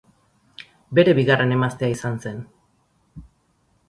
Bere bigarren emaztea izan zen.